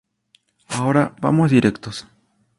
Ahora vamos directos.